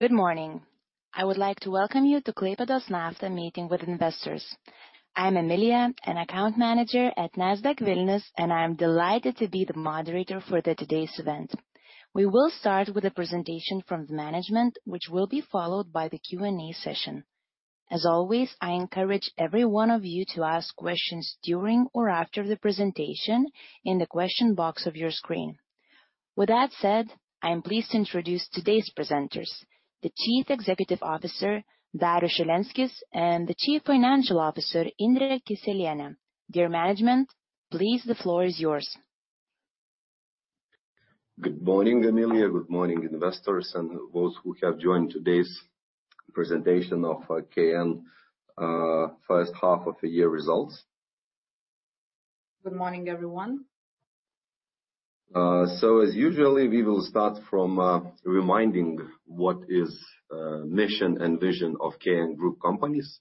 Good morning. I would like to welcome you to Klaipėdos Nafta meeting with investors. I'm Emilia, an account manager at Nasdaq Vilnius, and I'm delighted to be the moderator for today's event. We will start with a presentation from the management, which will be followed by the Q&A session. As always, I encourage every one of you to ask questions during or after the presentation in the question box of your screen. With that said, I am pleased to introduce today's presenters, the Chief Executive Officer, Darius Šilenskis, and the Chief Financial Officer, Indrė Kisielienė. Dear management, please, the floor is yours. Good morning, Emilia. Good morning, investors, and those who have joined today's presentation of KN's first half of the year results. Good morning, everyone. As usually, we will start from reminding what is mission and vision of KN group companies.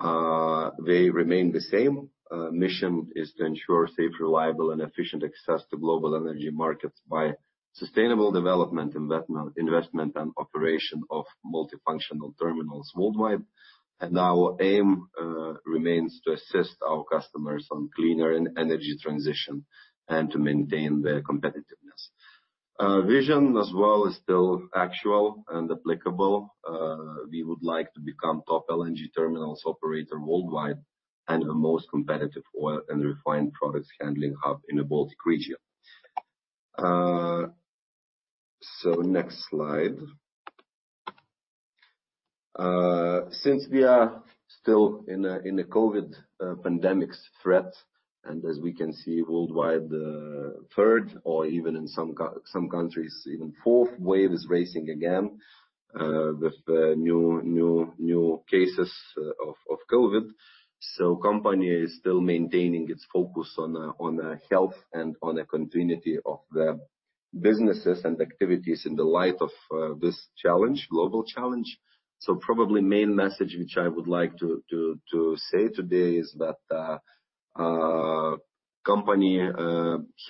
They remain the same. Mission is to ensure safe, reliable, and efficient access to global energy markets by sustainable development, investment, and operation of multifunctional terminals worldwide. Our aim remains to assist our customers on cleaner energy transition and to maintain their competitiveness. Vision as well is still actual and applicable. We would like to become top LNG terminal operator worldwide and the most competitive oil and refined products handling hub in the Baltic region. Next slide. Since we are still in a COVID pandemic threat, and as we can see worldwide, the third or even, in some countries, even fourth wave is rising again with new cases of COVID. Some company is still maintaining its focus on the health and on the continuity of the businesses and activities in the light of this global challenge. Probably main message which I would like to say today is that company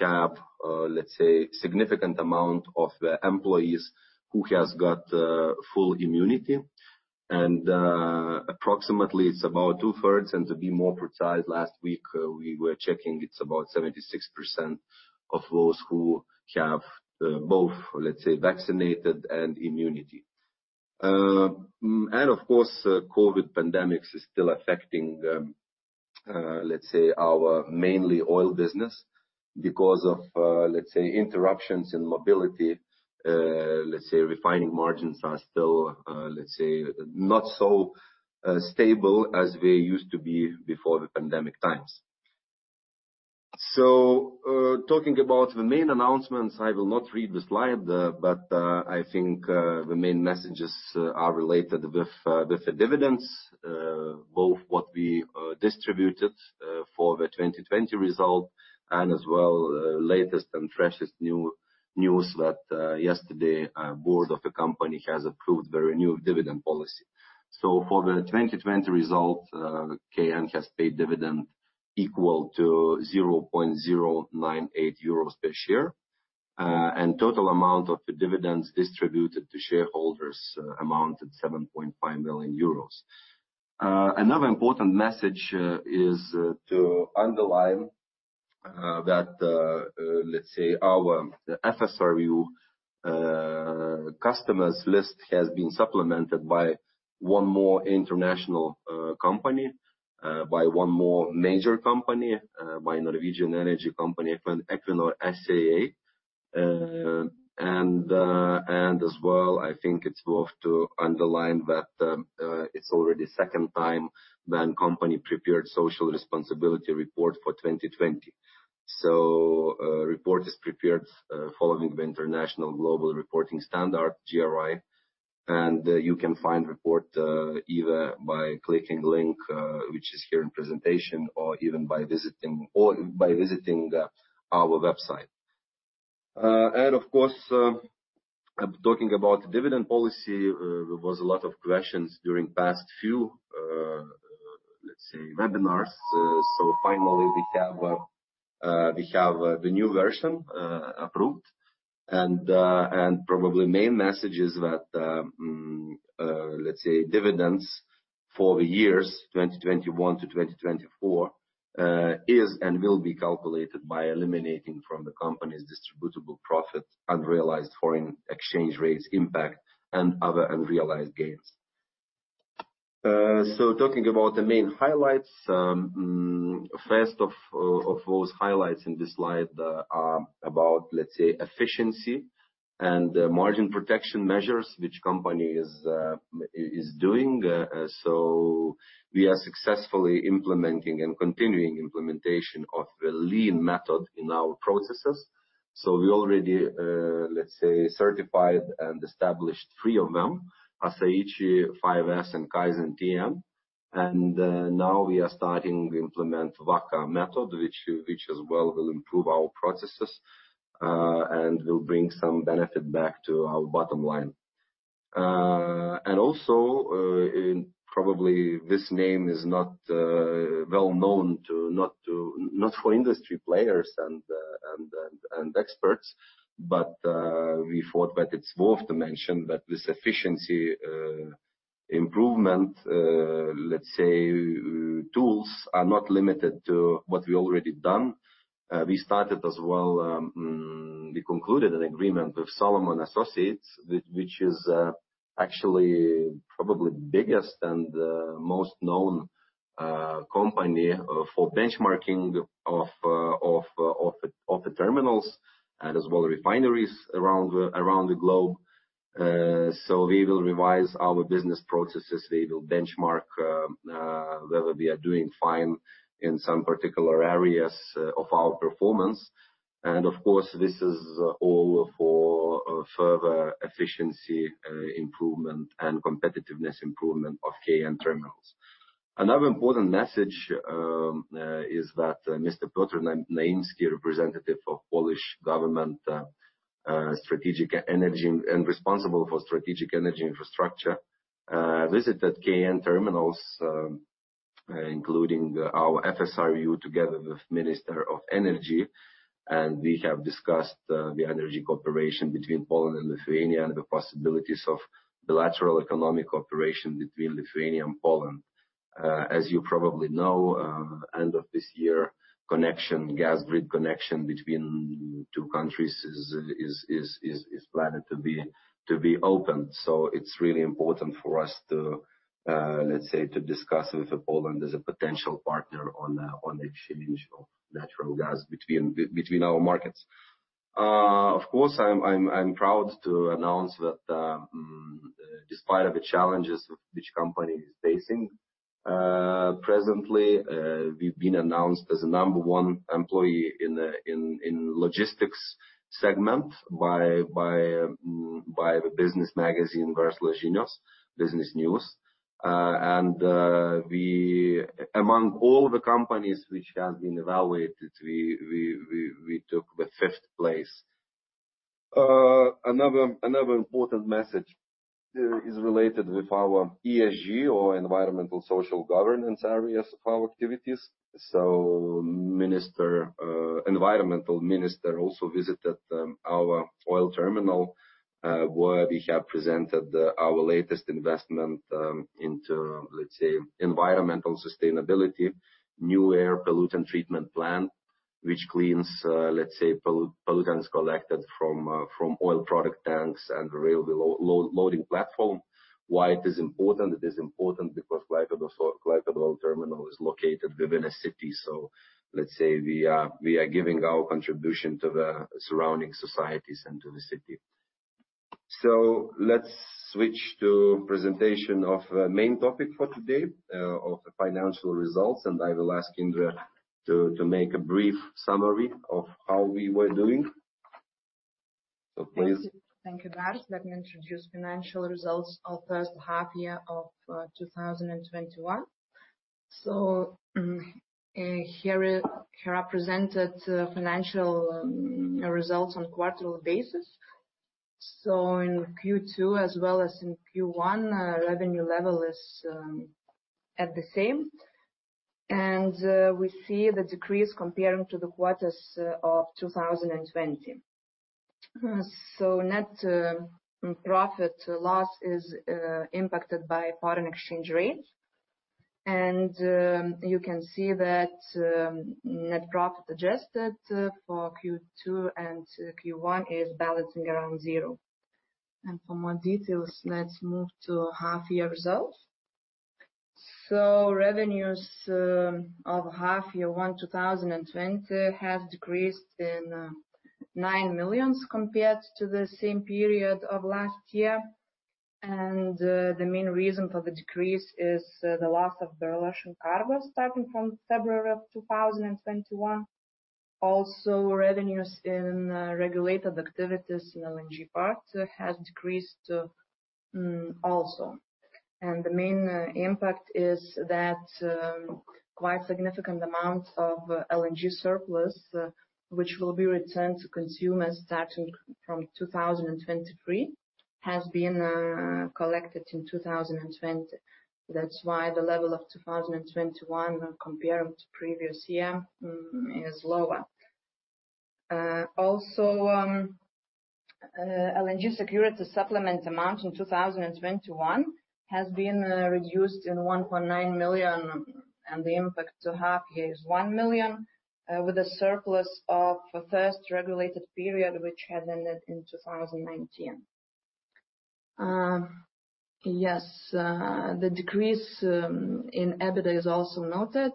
have let's say significant amount of the employees who has got full immunity, and approximately it's about two-thirds, and to be more precise, last week we were checking it's about 76% of those who have both let's say vaccinated and immunity. Of course, COVID pandemics is still affecting, let's say, our mainly oil business because of interruptions in mobility. Let's say refining margins are still not so stable as they used to be before the pandemic times. Talking about the main announcements, I will not read the slide. I think the main messages are related with the dividends, both what we distributed for the 2020 result and as well latest and freshest news that yesterday the board of the company has approved the renewed dividend policy. For the 2020 result, KN has paid dividend equal to €0.098 per share. Total amount of the dividends distributed to shareholders amounted to €7.5 million. Another important message is to underline that, let's say, our FSRU customers list has been supplemented by one more international company, by one more major company, by Norwegian energy company Equinor ASA. As well, I think it's worth to underline that it's already second time when company prepared social responsibility report for 2020. Report is prepared following the International Global Reporting Initiative (GRI), and you can find the report either by clicking the link which is here in the presentation or even by visiting our website. Talking about dividend policy, there was a lot of questions during the past few, let's say, webinars. Finally, we have the new version approved and probably main message is that, let's say, dividends for the years 2021 to 2024, is and will be calculated by eliminating from the company's distributable profit unrealized foreign exchange rates impact and other unrealized gains. Talking about the main highlights. First of those highlights in this slide are about, let's say, efficiency and margin protection measures, which company is doing. We are successfully implementing and continuing implementation of the lean method in our processes. We already, let's say, certified and established three of them: A3, 5S, and Kaizen. Now we are starting to implement Vaka method, which as well will improve our processes and will bring some benefit back to our bottom line. Also, probably this name is not well-known not for industry players and experts. We thought that it's worth to mention that this efficiency improvement, let's say, tools are not limited to what we've already done. We concluded an agreement with Solomon Associates, which is actually probably the biggest and most known company for benchmarking of the terminals and as well the refineries around the globe. We will revise our business processes. We will benchmark whether we are doing fine in some particular areas of our performance. Of course, this is all for further efficiency improvement and competitiveness improvement of KN Terminals. Another important message is that Mr. Piotr Naimski, representative of Polish government and responsible for strategic energy infrastructure, visited KN Terminals, including our FSRU, together with the minister of energy. We have discussed the energy cooperation between Poland and Lithuania and the possibilities of bilateral economic cooperation between Lithuania and Poland. As you probably know, end of this year, gas grid connection between two countries is planned to be opened. It's really important for us to, let's say, to discuss with Poland as a potential partner on the exchange of natural gas between our markets. Of course, I'm proud to announce that despite of the challenges which company is facing presently, we've been announced as the number one employee in the logistics segment by the business magazine, Verslo žinios, Business News. Among all the companies which has been evaluated, we took the fifth place. Another important message is related with our ESG, or environmental social governance, areas of our activities. Environmental minister also visited our oil terminal, where we have presented our latest investment into, let's say, environmental sustainability. New air pollutant treatment plant, which cleans, let's say, pollutants collected from oil product tanks and rail loading platforms. Why it is important? It is important because Klaipėda Oil Terminal is located within a city. Let's say we are giving our contribution to the surrounding societies and to the city. Let's switch to presentation of main topic for today, of the financial results. I will ask Indrė to make a brief summary of how we were doing. Please. Thank you, Darius. Let me introduce financial results of first half-year of 2021. Here I presented financial results on quarterly basis. In Q2 as well as in Q1, revenue level is at the same. We see the decrease comparing to the quarters of 2020. Net profit loss is impacted by foreign exchange rates. You can see that net profit adjusted for Q2 and Q1 is balancing around zero. For more details, let's move to half-year results. Revenues of half-year 2020 have decreased in 9 million compared to the same period of last year. The main reason for the decrease is the loss of Belarusian cargo starting from February of 2021. Also, revenues in regulated activities in LNG part have decreased also. The main impact is that quite significant amounts of LNG surplus, which will be returned to consumers starting from 2023, has been collected in 2020. That's why the level of 2021 compared to the previous year is lower. LNG security supplement amount in 2021 has been reduced in 1.9 million, and the impact to half year is 1 million, with a surplus of first regulated period, which had ended in 2019. The decrease in EBITDA is also noted.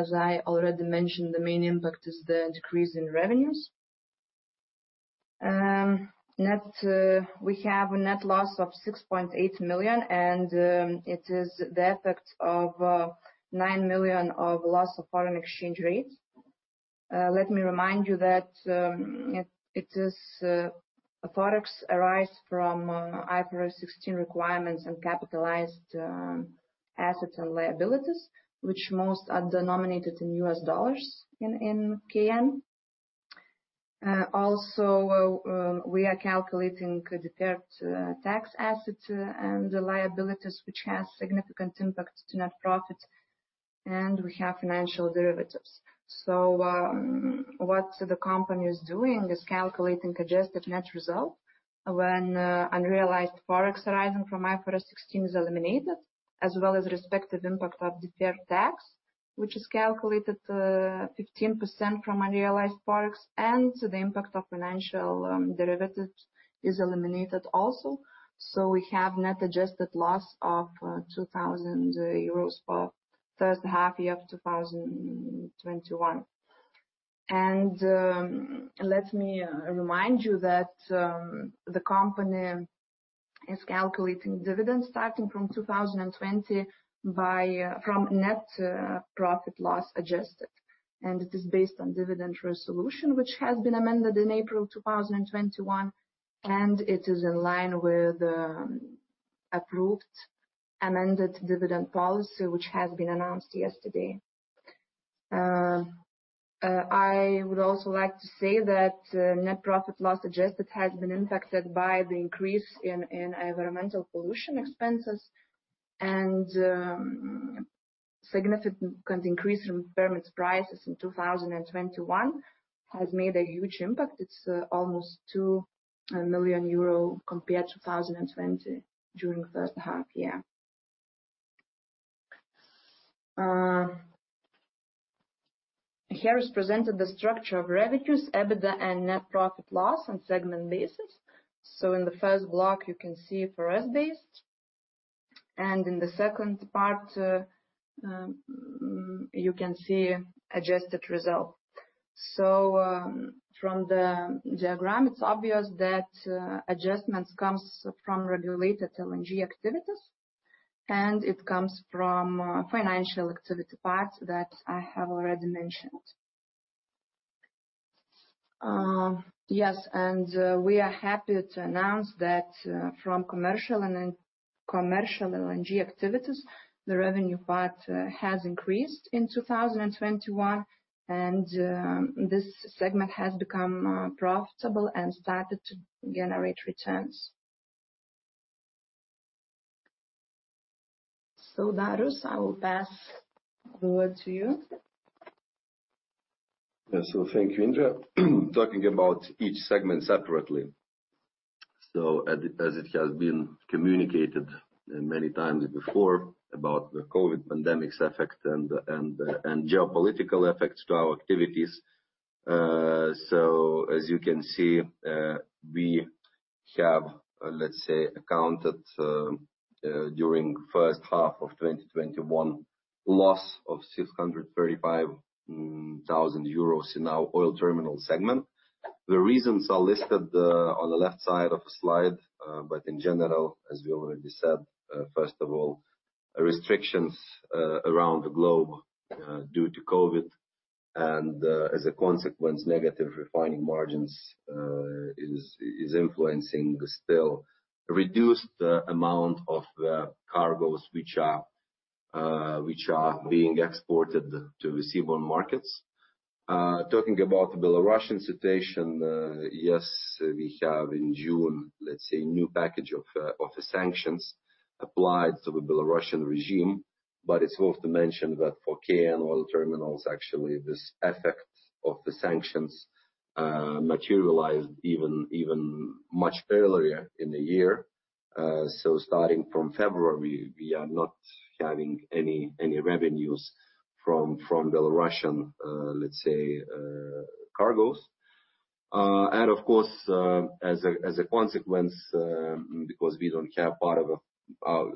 As I already mentioned, the main impact is the decrease in revenues. We have a net loss of 6.8 million, and it is the effect of 9 million of loss of foreign exchange rates. Let me remind you that it is a Forex arise from IFRS 16 requirements and capitalized assets and liabilities, which most are denominated in US dollars in KN. We are calculating deferred tax assets and liabilities, which has significant impact to net profit, and we have financial derivatives. What the company is doing is calculating the adjusted net result when unrealized. Forex arising from IFRS 16 is eliminated, as well as respective impact of deferred tax, which is calculated 15% from unrealized Forex, and the impact of financial derivatives is eliminated also. We have net adjusted loss of €2,000 for first half year of 2021. Let me remind you that the company is calculating dividends starting from 2020 from net profit loss adjusted. It is based on dividend resolution, which has been amended in April 2021. It is in line with approved amended dividend policy, which has been announced yesterday. I would also like to say that net profit loss adjusted has been impacted by the increase in environmental pollution expenses, and significant increase in permit prices in 2021 has made a huge impact. It's almost 2 million euro compared to 2020 during the first half of the year. Here is presented the structure of revenues, EBITDA, and net profit loss on segment basis. In the first block, you can see Forex-based; in the second part, you can see adjusted result. From the diagram, it's obvious that adjustments comes from regulated LNG activities, and it comes from financial activity part that I have already mentioned. Yes, we are happy to announce that from commercial LNG activities, the revenue part has increased in 2021, and this segment has become profitable and started to generate returns. Darius, I will pass the word to you. Thank you, Indrė. Talking about each segment separately. As it has been communicated many times before about the COVID pandemic's effect and geopolitical effects to our activities. As you can see, we have, let's say, accounted, during first half of 2021, loss of 635,000 euros in our oil terminal segment. The reasons are listed on the left side of the slide. In general, as we already said, first of all, restrictions around the globe due to COVID and, as a consequence, negative refining margins is influencing the still reduced amount of the cargos which are being exported to seaborne markets. Talking about the Belarusian situation, yes, we have, in June, let's say, new package of the sanctions applied to the Belarusian regime. It's worth to mention that for KN Oil Terminals, actually, this effect of the sanctions materialized even much earlier in the year. Starting from February, we are not having any revenues from Belarussian cargos. Of course, as a consequence, because we don't have part of,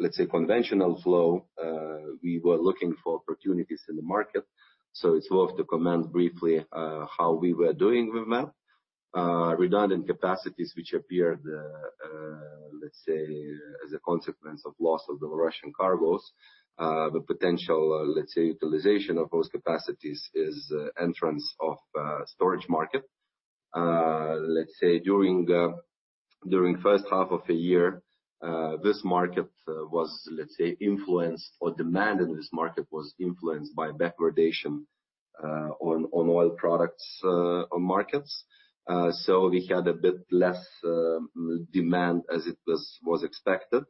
let's say, conventional flow, we were looking for opportunities in the market. It's worth to comment briefly how we were doing with that. Redundant capacities which appeared, let's say, as a consequence of loss of Belarussian cargos. The potential, let's say, utilization of those capacities is entrance of storage market. Let's say, during the first half of the year, this market was, let's say, influenced, or demand in this market was influenced by backwardation on oil product markets. We had a bit less demand as it was expected.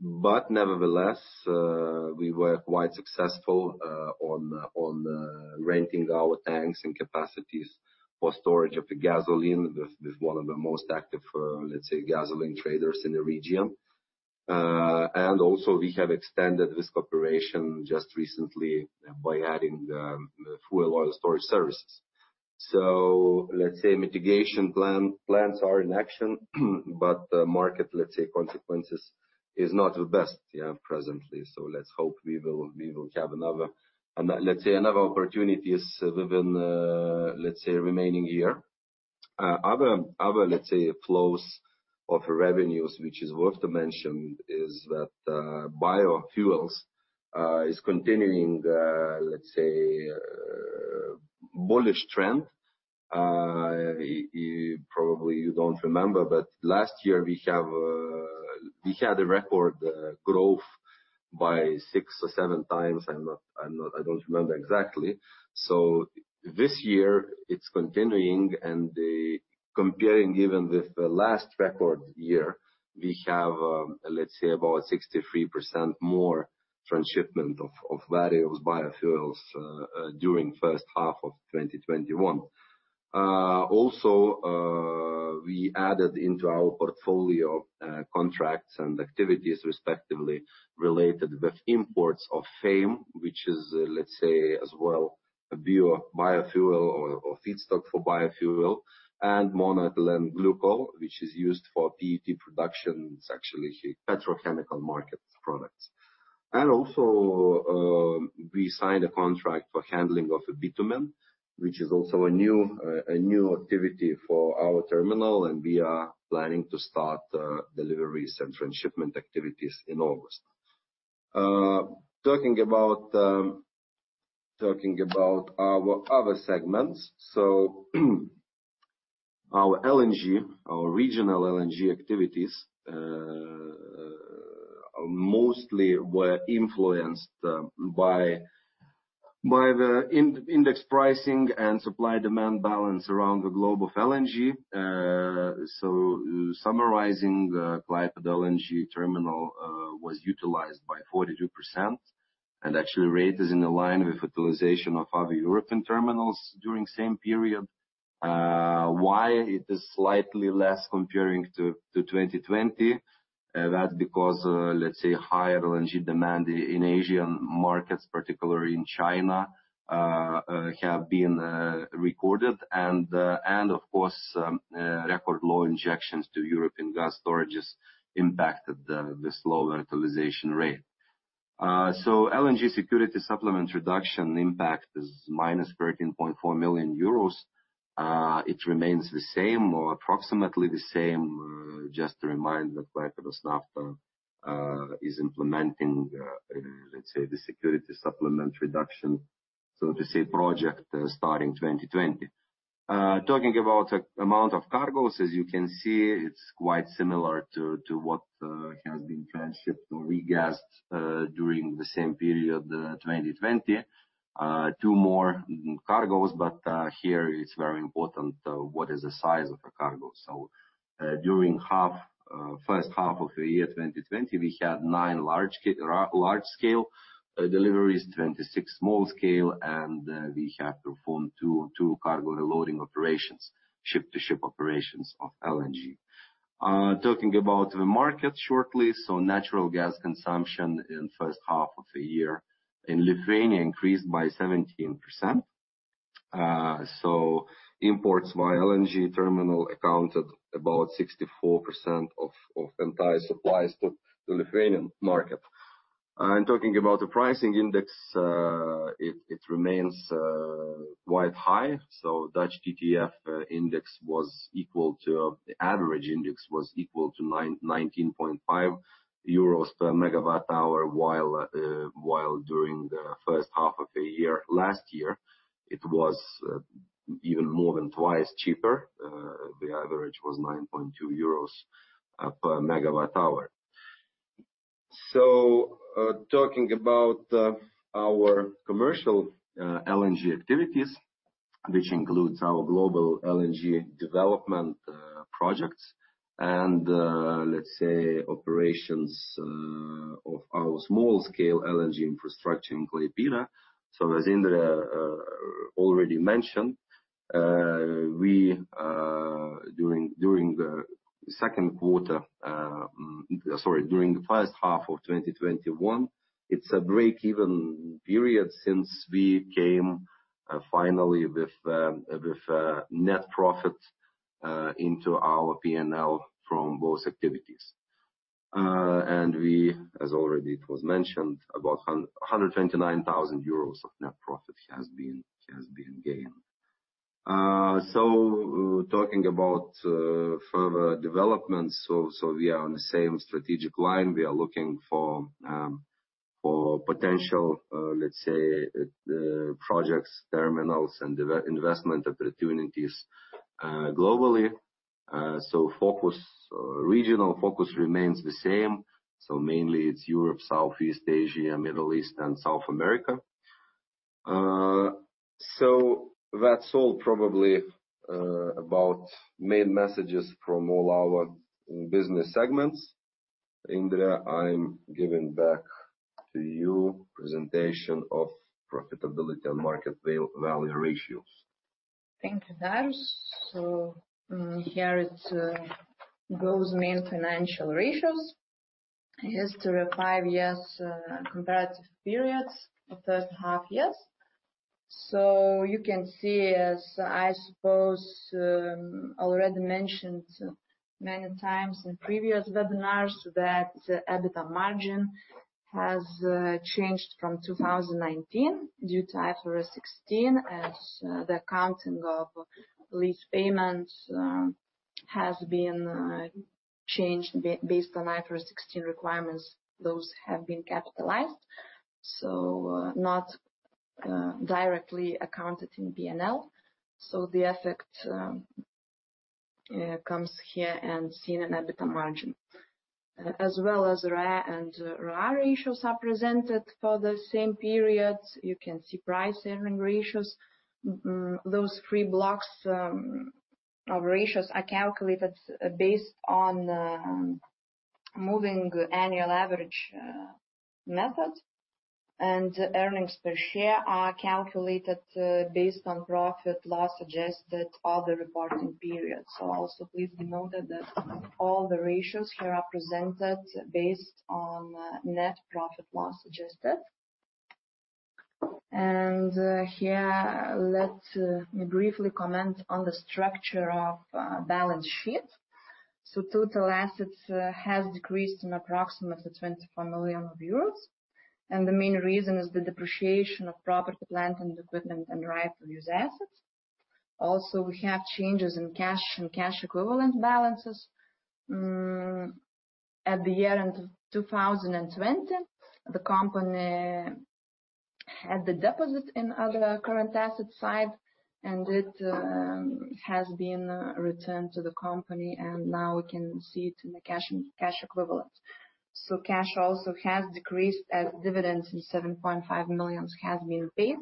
Nevertheless, we were quite successful on renting our tanks and capacities for storage of the gasoline with one of the most active, let's say, gasoline traders in the region. Also, we have extended this cooperation just recently by adding the fuel oil storage services. Let's say mitigation plans are in action, but the market, let's say, consequences is not the best presently. Let's hope we will have another, let's say, opportunity within the remaining year. Other, let's say, flows of revenues, which is worth to mention, is that biofuels is continuing bullish trend. Probably you don't remember, but last year we had a record growth by six or seven times. I don't remember exactly. This year it's continuing, and comparing even with the last record year, we have, let's say, about 63% more transshipment of various biofuels during the first half of 2021. We added into our portfolio contracts and activities, respectively, related with imports of FAME, which is, let's say, as well, a biofuel or feedstock for biofuel, and monoethylene glycol, which is used for PET production. It's actually a petrochemical market product. We signed a contract for handling of bitumen, which is also a new activity for our terminal, and we are planning to start deliveries and transshipment activities in August. Talking about our other segments. Our regional LNG activities mostly were influenced by the index pricing and supply-demand balance around the globe of LNG. Summarizing, the Klaipėda LNG terminal was utilized by 42%, and actually rate is in line with utilization of other European terminals during same period. Why it is slightly less comparing to 2020? That's because, let's say higher LNG demand in Asian markets, particularly in China, have been recorded. Of course, record low injections to European gas storages impacted the slower utilization rate. LNG security supplement reduction impact is minus €13.4 million. It remains the same or approximately the same. To remind that Klaipėdos Nafta is implementing, let's say, the security supplement reduction, so to say, project starting in 2020. Talking about the amount of cargoes, as you can see, it is quite similar to what has been transshipped or regassed during the same period, 2020. Two more cargoes: here it is very important what is the size of a cargo. During first half of the year 2020, we had nine large-scale deliveries, 26 small-scale, and we have performed two cargo reloading operations, ship-to-ship operations of LNG. Talking about the market shortly. Natural gas consumption in first half of the year in Lithuania increased by 17%. Imports by LNG terminal accounted about 64% of entire supplies to Lithuanian market. Talking about the pricing index, it remains quite high. Dutch TTF index, the average index was equal to 19.5 euros per MWh, while during the first half of the year last year, it was even more than twice as cheaper. The average was 9.2 euros per MWh. Talking about our commercial LNG activities, which include our global LNG development projects and, let's say, operations of our small-scale LNG infrastructure in Klaipėda. As Indrė already mentioned, during the first half of 2021, it's a break-even period since we came finally with net profit into our P&L from both activities. As already it was mentioned, about 129,000 euros of net profit has been gained. Talking about further developments. We are on the same strategic line. We are looking for potential projects, terminals, and investment opportunities globally. Regional focus remains the same. Mainly it's Europe, Southeast Asia, Middle East, and South America. That's all probably about main messages from all our business segments. Indrė, I'm giving back to you a presentation of profitability and market value ratios. Thank you, Darius. Here its group's main financial ratios. History of five years comparative periods of first half years. You can see, as I suppose, already mentioned many times in previous webinars, that the EBITDA margin has changed from 2019 due to IFRS 16, as the accounting of lease payments has been changed based on IFRS 16 requirements. Those have been capitalized, so not directly accounted in P&L. The effect comes here and seen in EBITDA margin. As well as, ROE and ROA ratios are presented for the same periods. You can see price earnings ratios. Those three blocks of ratios are calculated based on moving annual average method. Earnings per share are calculated based on profit/loss adjusted other reporting periods. Also please be noted that all the ratios here are presented based on net profit/loss adjusted. Here, let me briefly comment on the structure of balance sheet. Total assets has decreased in approximately 24 million euros. The main reason is the depreciation of property, plant and equipment, and right-to-use assets. Also, we have changes in cash and cash equivalent balances. At the year end of 2020, the company had the deposit in other current asset side, and it has been returned to the company, and now we can see it in the cash equivalent. Cash also has decreased, as dividends in 7.5 million has been paid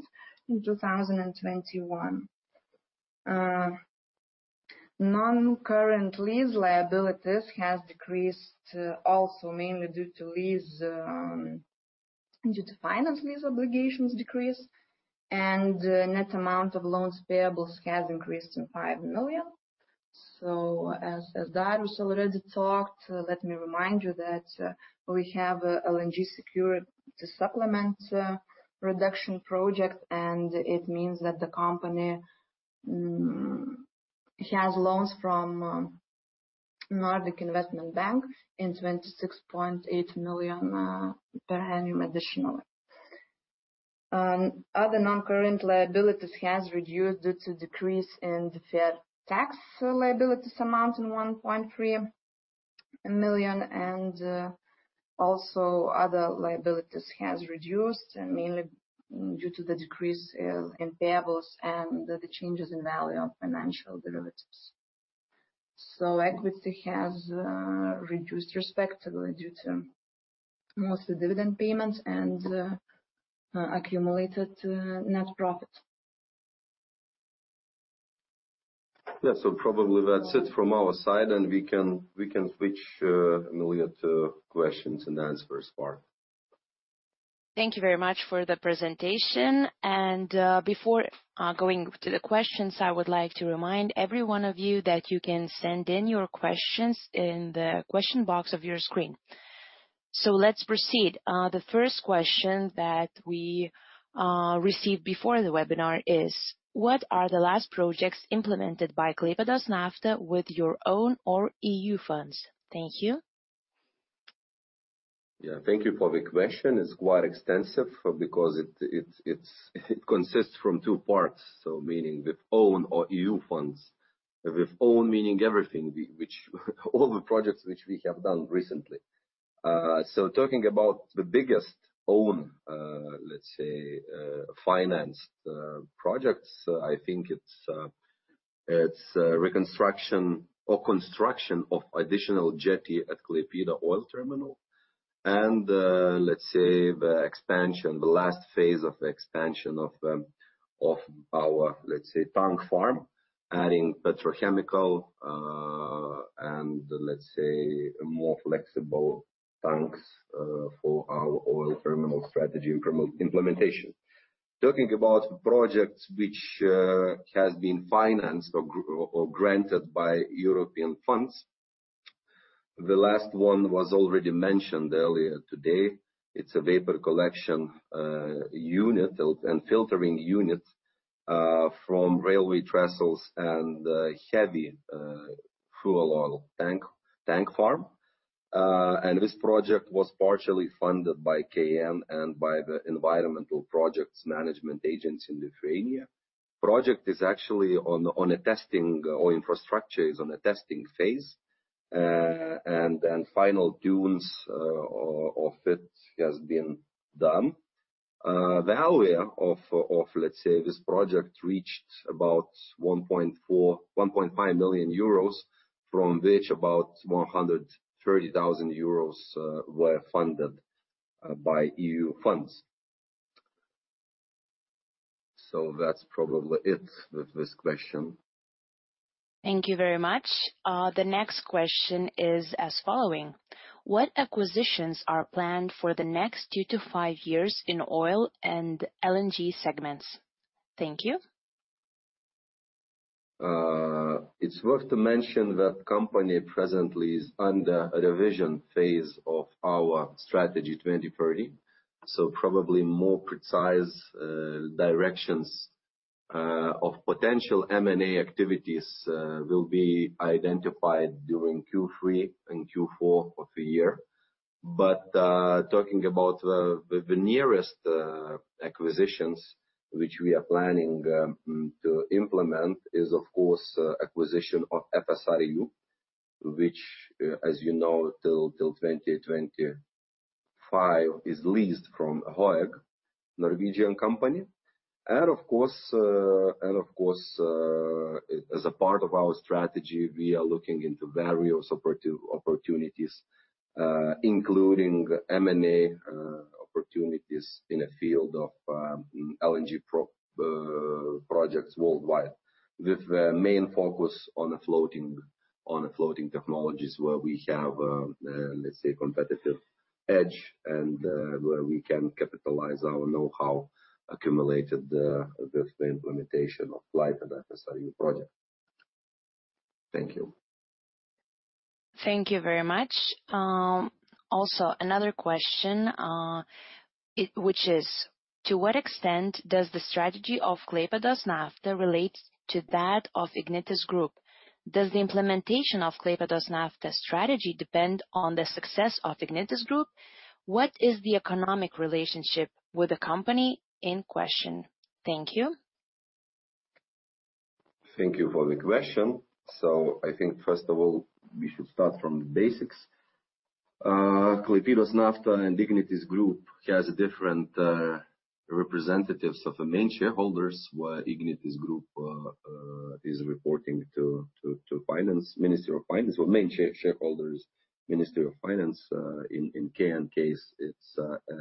in 2021. Non-current lease liabilities has decreased also mainly due to finance lease obligations decrease. Net amount of loans payables has increased to 5 million. As Darius already talked, let me remind you that we have LNG security supplement reduction project, and it means that the company has loans from Nordic Investment Bank in 26.8 million per annum additionally. Other non-current liabilities have reduced due to decrease in deferred tax liabilities amount in 1.3 million, and also other liabilities have reduced mainly due to the decrease in payables and the changes in value of financial derivatives. Equity has reduced, respectively, due to mostly dividend payments and accumulated net profit. Yeah. Probably that's it from our side, and we can switch, Emilia, to questions and answers part. Thank you very much for the presentation. Before going to the questions, I would like to remind every one of you that you can send in your questions in the question box of your screen. Let's proceed. The first question that we received before the webinar is, what are the last projects implemented by Klaipėdos Nafta with your own or EU funds? Thank you. Thank you for the question. It's quite extensive because it consists from two parts. Meaning with own or EU funds. With own meaning everything, all the projects which we have done recently. Talking about the biggest own financed projects, I think it's reconstruction or construction of an additional jetty at Klaipėda Oil Terminal and the last phase of the expansion of our tank farm, adding petrochemical and more flexible tanks for our oil terminal strategy implementation. Talking about projects which has been financed or granted by European funds, the last one was already mentioned earlier today. It's a vapor collection unit and filtering unit from railway trestles and heavy fuel oil tank farm. This project was partially funded by KN and by the Environmental Project Management Agency in Lithuania. The project is actually on a testing or infrastructure is on a testing phase. Final tunes of it has been done. The value of this project reached about 1.5 million euros, from which about 130,000 euros were funded by EU funds. That's probably it with this question. Thank you very much. The next question is as following: What acquisitions are planned for the next two to five years in oil and LNG segments? Thank you. It's worth to mention that company presently is under a revision phase of our strategy 2030. Probably more precise directions of potential M&A activities will be identified during Q3 and Q4 of the year. Talking about the nearest acquisitions which we are planning to implement is, of course, acquisition of FSRU, which, as you know, till 2025 is leased from Höegh, Norwegian company. Of course, as a part of our strategy, we are looking into various operative opportunities, including M&A opportunities in a field of LNG projects worldwide. With a main focus on floating technologies where we have, let's say, competitive edge and where we can capitalize our know-how accumulated with the implementation of Klaipėda FSRU project. Thank you. Thank you very much. Also, another question which is, to what extent does the strategy of Klaipėdos Nafta relate to that of Ignitis Group? Does the implementation of Klaipėdos Nafta's strategy depend on the success of Ignitis Group? What is the economic relationship with the company in question? Thank you. Thank you for the question. I think first of all, we should start from the basics. Klaipėdos Nafta and Ignitis Group has different representatives of the main shareholders, where Ignitis Group is reporting to Ministry of Finance. Main shareholder is Ministry of Finance. In KN case, it's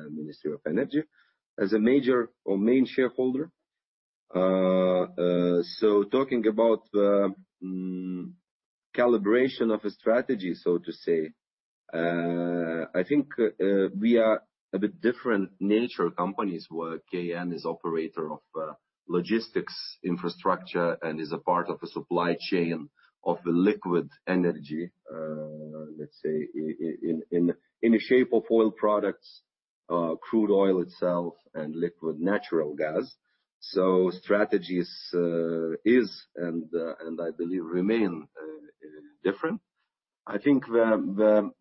Ministry of Energy as a major or main shareholder. Talking about the calibration of a strategy, so to say, I think we are a bit different nature companies, where KN is operator of logistics infrastructure and is a part of a supply chain of the liquid energy, let's say, in the shape of oil products, crude oil itself, and liquid natural gas. Strategies is and, I believe, remain different. I think the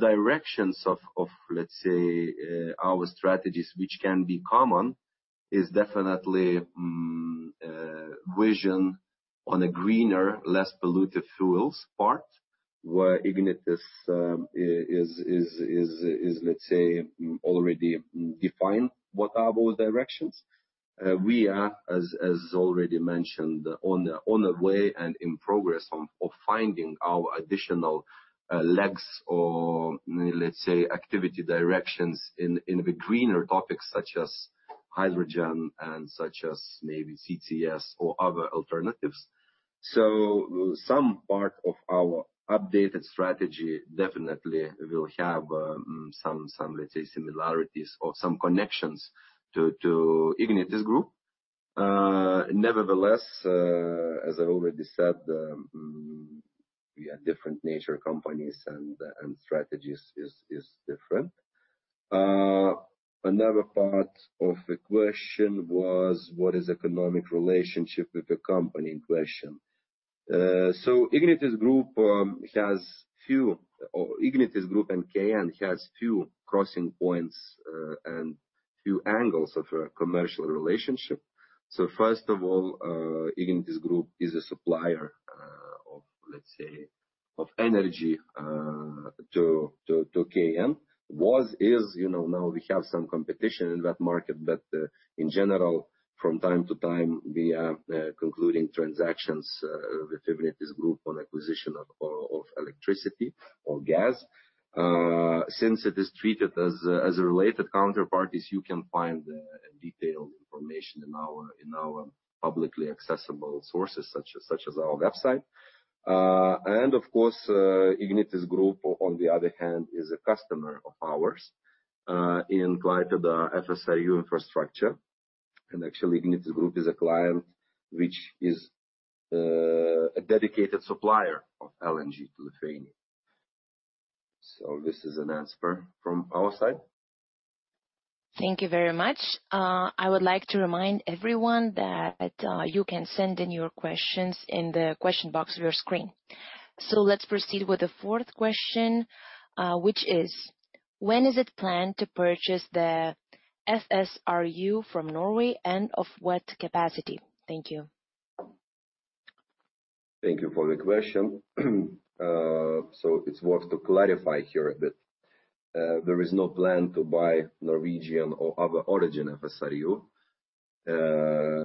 directions of, let's say, our strategies, which can be common, is definitely vision on a greener, less polluted fuel part. Where Ignitis is, let's say, already defined what are those directions? We are, as already mentioned, on the way and in progress of finding our additional legs, or, let's say, activity directions in the greener topics such as hydrogen and such as maybe CCS or other alternatives. Some part of our updated strategy definitely will have some, let's say, similarities or some connections to Ignitis Group. Nevertheless, as I already said, we are different nature companies, and strategies is different. Another part of the question was what is the economic relationship with the company in question. Ignitis Group and KN has few crossing points and few angles of a commercial relationship. First of all, Ignitis Group is a supplier of, let's say, energy to KN. Was, is. Now we have some competition in that market, but in general, from time to time, we are concluding transactions with Ignitis Group on acquisition of electricity or gas. Since it is treated as a related counterparties, you can find detailed information in our publicly accessible sources, such as our website. Of course, Ignitis Group, on the other hand, is a customer of ours in Klaipėda FSRU infrastructure. Actually, Ignitis Group is a client, which is a dedicated supplier of LNG to Lithuania. This is an answer from our side. Thank you very much. I would like to remind everyone that you can send in your questions in the question box of your screen. Let's proceed with the fourth question, which is: When is it planned to purchase the FSRU from Norway, and of what capacity? Thank you. Thank you for the question. It's worth to clarify here that there is no plan to buy Norwegian or other origin FSRU.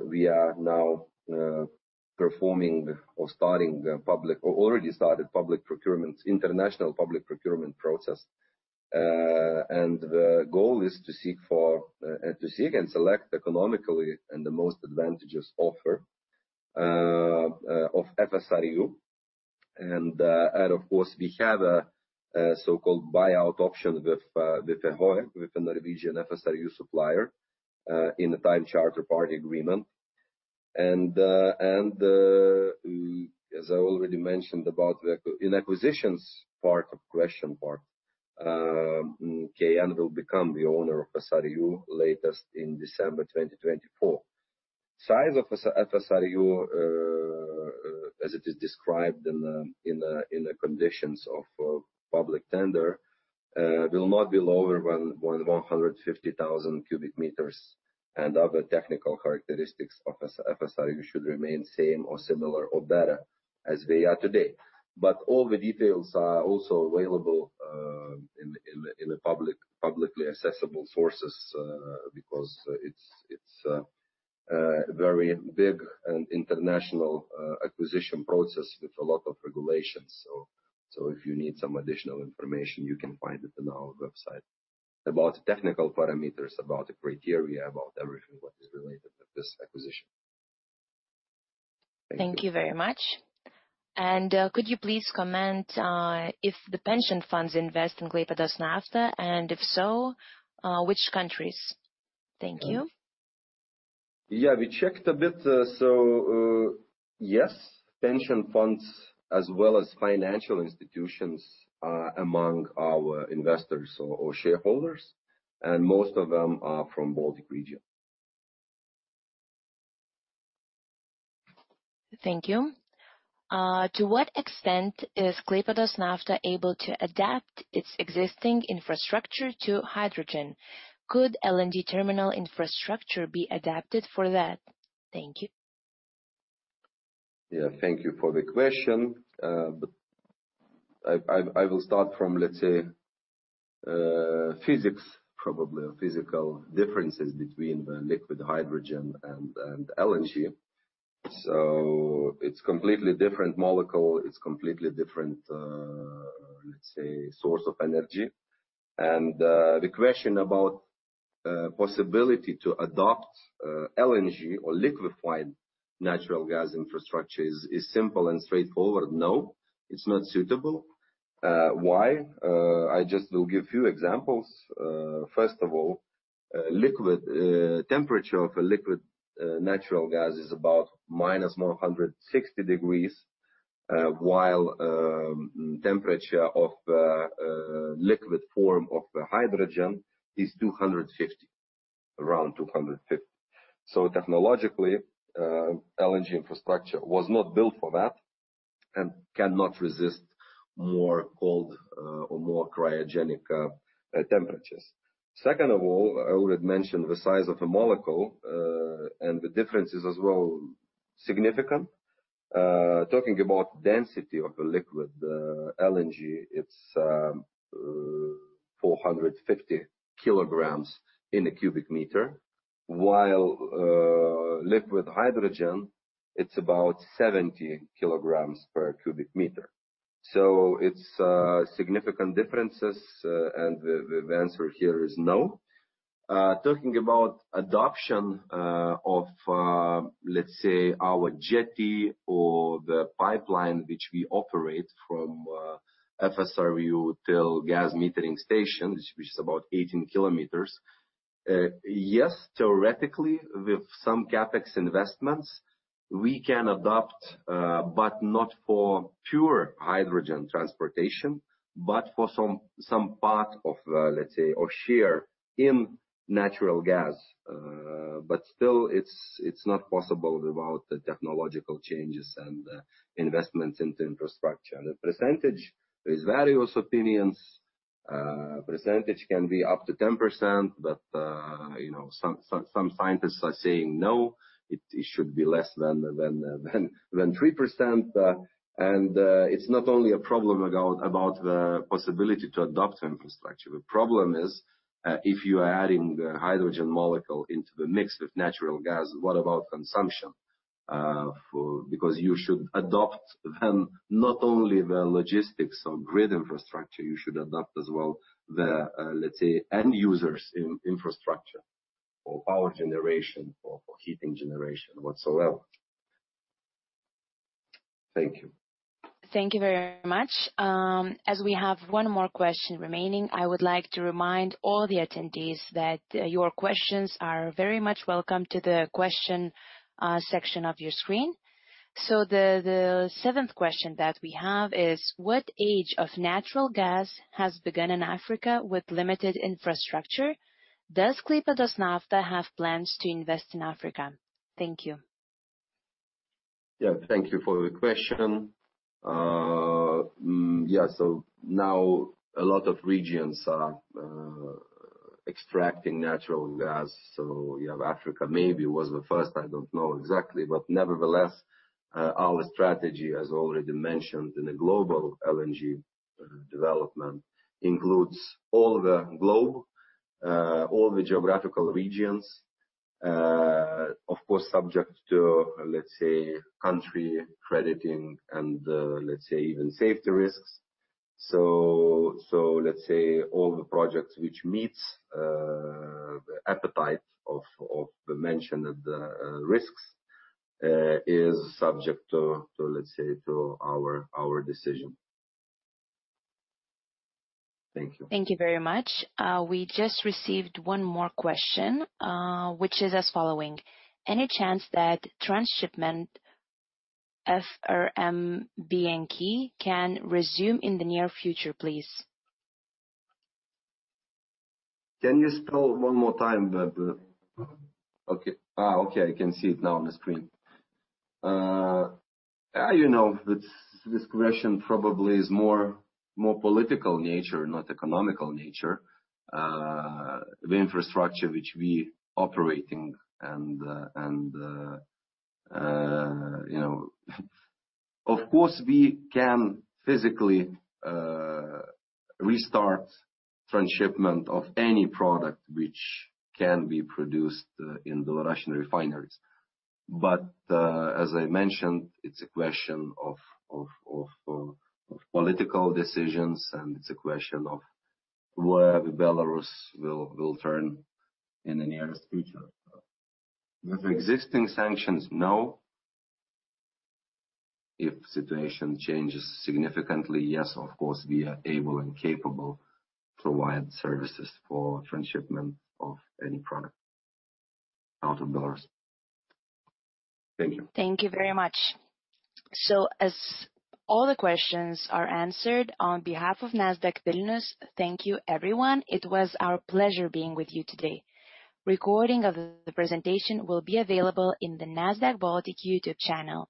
We are now performing or already started public procurements, international public procurement process. The goal is to seek and select economically and the most advantageous offer of FSRU. Of course, we have a so-called buyout option with the Höegh, with the Norwegian FSRU supplier, in the time charter party agreement. As I already mentioned in the acquisitions part of the question part, KN will become the owner of FSRU latest in December 2024. The size of the FSRU, as it is described in the conditions of public tender, will not be lower than 150,000 cubic meters, and other technical characteristics of FSRU should remain same or similar or better as they are today. All the details are also available in the publicly accessible sources because it's a very big and international acquisition process with a lot of regulations. If you need some additional information, you can find it in our website about technical parameters, about the criteria, about everything what is related with this acquisition. Thank you. Thank you very much. Could you please comment if the pension funds invest in Klaipėdos Nafta, and if so, which countries? Thank you. Yeah, we checked a bit. Yes, pension funds as well as financial institutions are among our investors or shareholders, and most of them are from Baltic region. Thank you. To what extent is Klaipėdos Nafta able to adapt its existing infrastructure to hydrogen? Could LNG terminal infrastructure be adapted for that? Thank you. Thank you for the question. I will start from, let's say, physics, probably, or physical differences between the liquid hydrogen and LNG. It's completely different molecule. It's completely different, let's say, source of energy. The question about possibility to adopt LNG or liquefied natural gas infrastructure is simple and straightforward. No, it's not suitable. Why? I just will give few examples. First of all, temperature of a liquid natural gas is about -160 degrees, while temperature of liquid form of the hydrogen is around 250. Technologically, LNG infrastructure was not built for that and cannot resist more cold or more cryogenic temperatures. Second of all, I already mentioned the size of a molecule, and the difference is as well significant. Talking about the density of a liquid LNG, it's 450 kilograms in a cubic meter, while liquid hydrogen, it's about 70 kilograms per cubic meter. It's significant differences, and the answer here is no. Talking about adoption of, let's say, our jetty or the pipeline which we operate from FSRU till gas metering station, which is about 18 kilometers. Yes, theoretically, with some CapEx investments, we can adopt, but not for pure hydrogen transportation, but for some part of, let's say, or share in natural gas. Still, it's not possible without the technological changes and investments into infrastructure. The percentage, there is various opinions. Percentage can be up to 10%, but some scientists are saying, no, it should be less than 3%. It's not only a problem about the possibility to adopt infrastructure. The problem is, if you are adding the hydrogen molecule into the mix with natural gas, what about consumption? You should adopt then not only the logistics or grid infrastructure; you should adopt as well the, let's say, end users' infrastructure for power generation, for heating generation, whatsoever. Thank you. Thank you very much. As we have one more question remaining, I would like to remind all the attendees that your questions are very much welcome to the question section of your screen. The seventh question that we have is: What age of natural gas has begun in Africa with limited infrastructure? Does Klaipėdos Nafta have plans to invest in Africa? Thank you. Thank you for the question. Yeah. Now a lot of regions are extracting natural gas. You have Africa, maybe was the first, I don't know exactly, but nevertheless, our strategy, as already mentioned in the global LNG development, includes all the globe, all the geographical regions, of course, subject to, let's say, country crediting and let's say, even safety risks. Let's say all the projects which meets the appetite of the mentioned risks is subject to our decision. Thank you. Thank you very much. We just received one more question, which is as following: Any chance that transshipment from Belarus can resume in the near future, please? Can you spell it one more time? Okay. I can see it now on the screen. This question probably is more political nature, not economical nature. The infrastructure which we operating. Of course, we can physically restart transshipment of any product which can be produced in Belarusian refineries. As I mentioned, it's a question of political decisions, and it's a question of where Belarus will turn in the nearest future. With existing sanctions, no. If the situation changes significantly, yes, of course, we are able and capable to provide services for the transshipment of any product out of Belarus. Thank you. Thank you very much. As all the questions are answered, on behalf of Nasdaq Vilnius, thank you, everyone. It was our pleasure being with you today. Recording of the presentation will be available in the Nasdaq Baltic YouTube channel.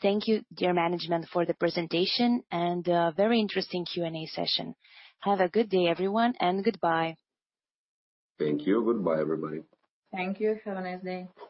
Thank you, dear management, for the presentation and a very interesting Q&A session. Have a good day, everyone, and goodbye. Thank you. Goodbye, everybody. Thank you. Have a nice day.